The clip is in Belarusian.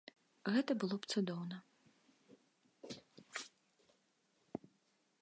Гэта было б цудоўна.